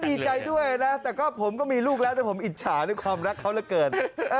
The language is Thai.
ดีใจด้วยนะแต่ก็ผมก็มีลูกแล้วแต่ผมอิจฉาในความรักเขาเหลือเกิน